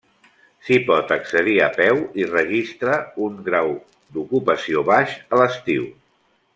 S'hi pot accedir a peu i registra un grau d'ocupació baix a l'estiu.